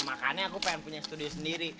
makanya aku pengen punya studio sendiri